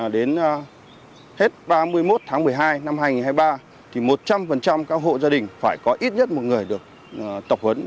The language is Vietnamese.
đến hết ba mươi một tháng một mươi hai năm hai nghìn hai mươi ba một trăm linh các hộ gia đình phải có ít nhất một người được tập huấn